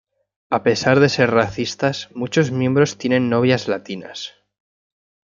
A pesar de ser racistas muchos miembros tienen novias latinas.